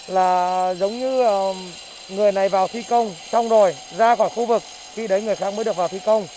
là giống như người này vào thi công xong rồi ra khỏi khu vực khi đấy người khác mới được vào thi công